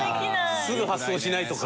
すぐ発送しないとか。